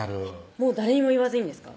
もう誰にも言わずにですか？